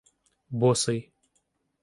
Босий.